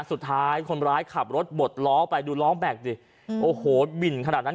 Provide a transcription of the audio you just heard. สุดท้ายคนร้ายขับรถบดล้อไปดูล้อแบ็คสิโอ้โหบิ่นขนาดนั้น